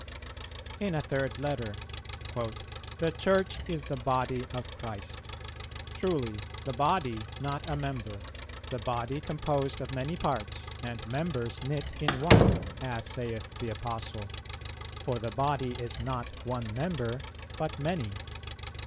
In a third letter: "'The Church is the Body of Christ.' Truly, the body, not a member; the body composed of many parts and members knit in one, as saith the Apostle, 'For the Body is not one member, but many.'